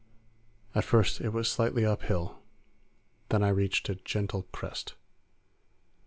At first it was slightly uphill, then I reached a gentle crest.